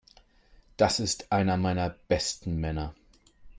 Das ist einer meiner besten Männer.